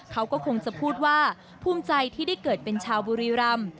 เขาก็คงจะพูดว่าภูมิใจที่ได้เกิดเป็นชาวบุรีรำ